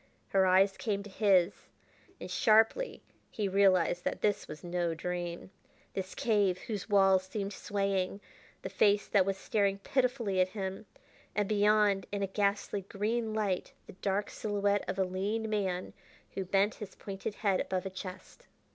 Her eyes came to his, and sharply he realized that this was no dream this cave whose walls seemed swaying, the face that was staring pitifully at him, and, beyond, in a ghastly green light, the dark silhouette of a lean man who bent his pointed head above a chest.